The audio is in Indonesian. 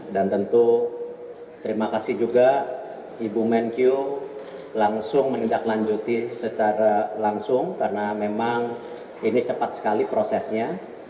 dan tentu terima kasih juga ibu menkyu langsung menindaklanjuti secara langsung karena memang ini cepat sekali prosesnya